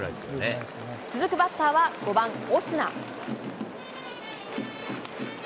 続くバッターは、５番オスナ。